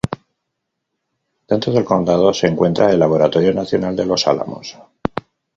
Dentro del condado se encuentra el Laboratorio Nacional de Los Álamos.